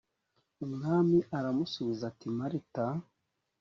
umwami aramusubiza ati marita